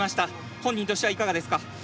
本人としてはいかがですか？